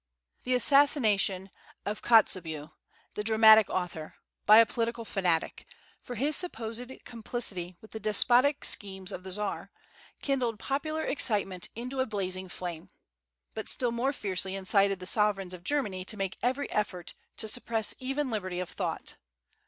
The assassination of Kotzebue, the dramatic author, by a political fanatic, for his supposed complicity with the despotic schemes of the Czar, kindled popular excitement into a blazing flame, but still more fiercely incited the sovereigns of Germany to make every effort to suppress even liberty of thought.